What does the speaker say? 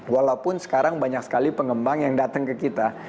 walaupun sekarang banyak sekali pengembang yang datang ke kita